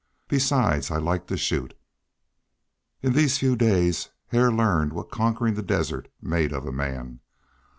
Besides, I like to shoot." In these few days Hare learned what conquering the desert made of a man.